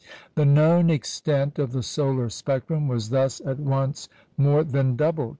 The known extent of the solar spectrum was thus at once more than doubled.